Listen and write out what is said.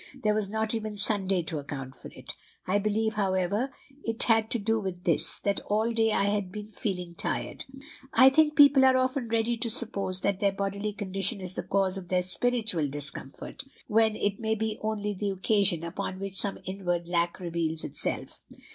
There was not even Sunday to account for it. I believe, however, it had to do with this, that all day I had been feeling tired. I think people are often ready to suppose that their bodily condition is the cause of their spiritual discomfort, when it may be only the occasion upon which some inward lack reveals itself.